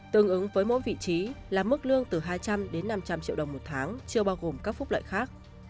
tương ứng với mỗi vị trí là mức lương từ hai trăm linh đến năm trăm linh triệu đồng một tháng chưa bao gồm các phúc lợi khác